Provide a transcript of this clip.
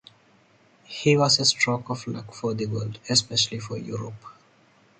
He was a stroke of luck for the world, especially for Europe.